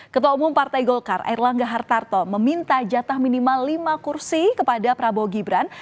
ketua umum partai golkar air langga hartarto meminta jatah minimal lima kursi kepada prabowo gibran